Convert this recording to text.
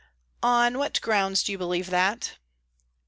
"On what grounds do you believe that?"